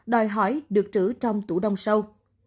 đòi hỏi được trữ trong tủ đông sâu